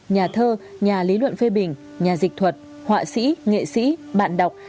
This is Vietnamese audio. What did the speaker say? nhà thơ nhà lý luận phê bình nhà dịch thuật họa sĩ nghệ sĩ bạn đọc